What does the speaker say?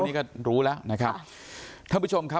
นี่ก็รู้แล้วนะครับท่านผู้ชมครับ